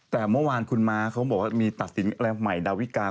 แต่เมื่อวานคุณม้าเขาบอกว่ามีตัดสินอะไรใหม่ดาวิกา